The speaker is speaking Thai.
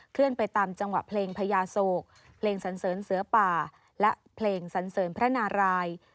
เลื่อนไปตามจังหวะเพลงพญาโศกเพลงสันเสริญเสือป่าและเพลงสันเสริญพระนาราย